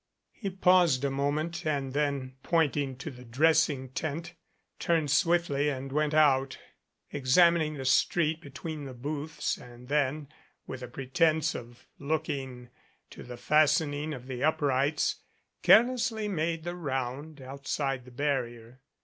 He paused a moment, and then, pointing to the dress ing tent, turned swiftly and went out, examining the street between the booths, and then, with a pretence of looking to the fastenings of the uprights, carelessly made the round outside the barrier.